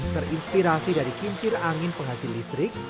terinspirasi dari kincir angin penghasil listrik